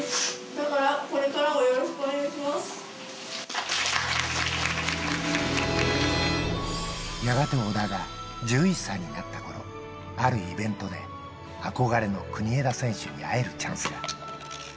だからこれからもよろしくお願いやがて小田が１１歳になったころ、あるイベントで、憧れの国枝選手に会えるチャンスが。